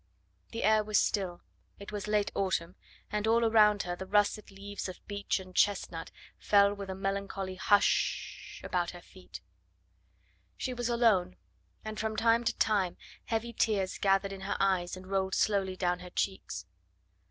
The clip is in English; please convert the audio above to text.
The air was still. It was late autumn, and all around her the russet leaves of beech and chestnut fell with a melancholy hush sh sh about her feet. She was alone, and from time to time heavy tears gathered in her eyes and rolled slowly down her cheeks.